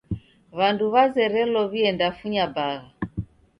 W'andu w'azerelo w'iendefunya bagha.